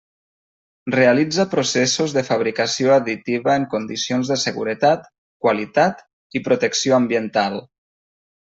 Realitza processos de fabricació additiva en condicions de seguretat, qualitat i protecció ambiental.